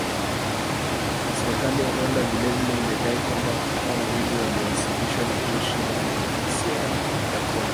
Serikali ya Rwanda vile vile imedai kwamba watu hao wawili walioasilishwa na jeshi la Demokrasia ya Kongo